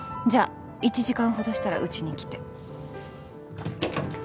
じゃあ１時間ほどしたらうちに来て。